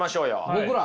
僕ら？